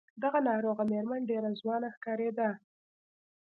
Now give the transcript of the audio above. دغه ناروغه مېرمن ډېره ځوانه ښکارېده.